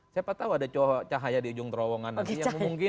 siapa tahu ada cahaya di ujung terowongan nanti yang memungkinkan